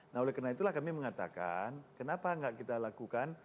nah oleh karena itulah kami mengatakan kenapa nggak kita lakukan